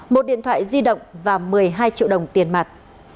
một điện thoại di động và một mươi hai triệu đồng tiền mặt